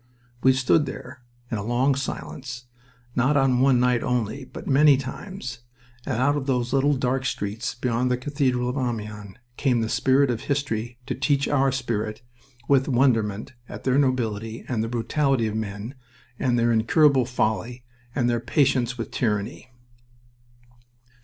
We stood there in a long silence, not on one night only, but many times, and out of those little dark streets below the cathedral of Amiens came the spirit of history to teach our spirit with wonderment at the nobility and the brutality of men, and their incurable folly, and their patience with tyranny.